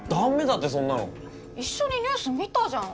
一緒にニュース見たじゃん。